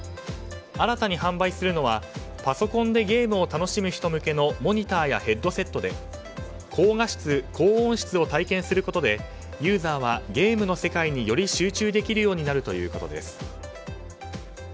新たに販売するのはパソコンでゲームを楽しむ人向けのモニターやヘッドセットで高画質、高音質を体験することでユーザーはゲームの世界により集中できるということです。